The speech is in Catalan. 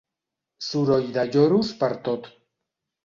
Soroll de lloros pertot.